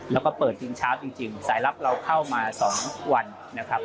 แล้วก็เปิดจริงเช้าจริงสายลับเราเข้ามา๒วันนะครับ